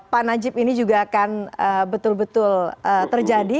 pak najib ini juga akan betul betul terjadi